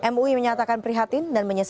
mui menyatakan prihatin dan menyesal